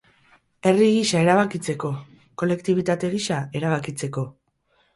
Herri gisa erabakitzeko, kolektibitate gisa erabakitzeko.